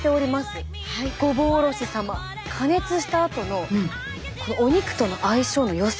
加熱したあとのお肉との相性のよさ。